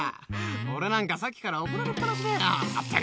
俺なんかさっきから怒られっぱなしだよ。